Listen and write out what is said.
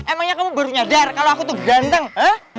emangnya kamu baru nyadar kalo aku tuh ganteng hah